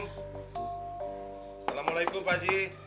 assalamualaikum pak ji